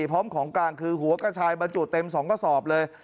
พร้อมของกลางคือหัวกระชายบรรจุเต็ม๒กระสอบเลย